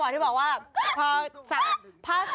แต่ถ้าบอกว่าเพราะ